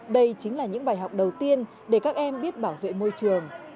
đây chính là những bài học đầu tiên để các em biết bảo vệ môi trường